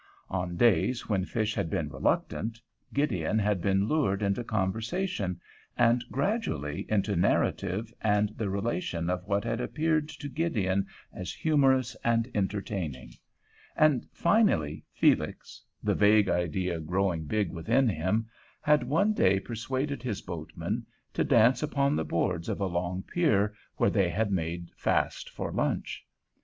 On days when fish had been reluctant Gideon had been lured into conversation, and gradually into narrative and the relation of what had appeared to Gideon as humorous and entertaining; and finally Felix, the vague idea growing big within him, had one day persuaded his boatman to dance upon the boards of a long pier where they had made fast for lunch.